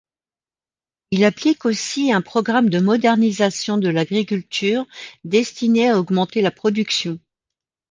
Il applique aussi un programme de modernisation de l'agriculture destiné à augmenter la production.